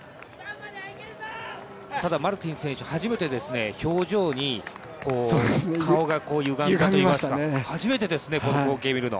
ただマルティン選手初めて表情に顔がゆがんできました、初めてですね、この光景を見るの。